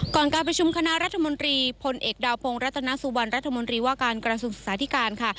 การประชุมคณะรัฐมนตรีพลเอกดาวพงรัตนสุวรรณรัฐมนตรีว่าการกระทรวงศึกษาธิการค่ะ